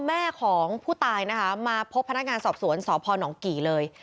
แม่ของผู้ตายนะคะมาพบพนักงานสอบสวนสพนกี่เลย